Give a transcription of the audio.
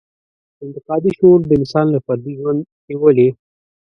انتقادي شعور د انسان له فردي ژوند نېولې.